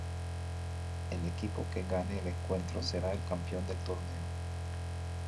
El equipo que gane el encuentro será el campeón del torneo.